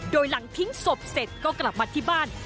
โดยหลังทิ้งศพเสร็จก็กลับมาที่บ้าน